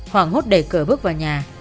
hoảng hốt đẩy cửa bước vào nhà